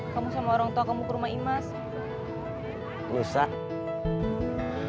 kamu sama orang tua kamu ke rumah imas